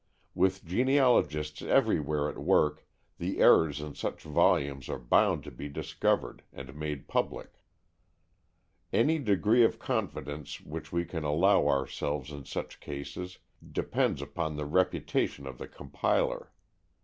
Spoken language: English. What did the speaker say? With genealogists everywhere at work, the errors in such volumes are bound to be discovered, and made public. Any degree of confidence which we can allow ourselves in such cases depends upon the reputation of the compiler.